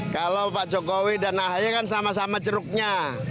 kalau pak jokowi dan ahy kan sama sama ceruknya